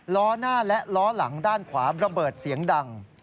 ล้อหน้าและล้อหลังด้านขวาระเบิดเสียงดัง